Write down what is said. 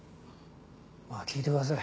まあ聞いてください。